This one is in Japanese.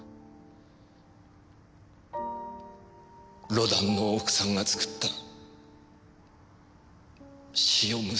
ロダンの奥さんが作った塩むすび。